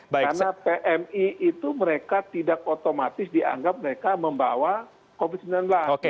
karena pmi itu mereka tidak otomatis dianggap mereka membawa covid sembilan belas